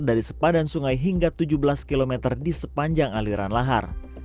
dari sepadan sungai hingga tujuh belas km di sepanjang aliran lahar